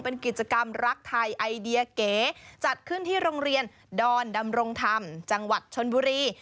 เป็นกิจกรรมรักไทยไอเดียเก๋จัดขึ้นที่โรงเรียนดอนดำรงธรรมจังหวัดชนบุรี